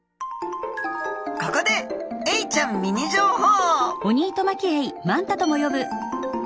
ここでエイちゃんミニ情報！